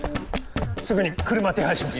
すぐに車手配します。